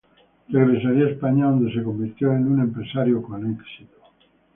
Regresaría a España, donde se convirtió en un exitoso empresario.